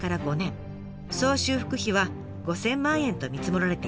総修復費は５，０００万円と見積もられています。